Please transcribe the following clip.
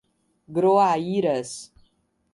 Groaíras